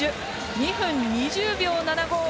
２分２０秒７５。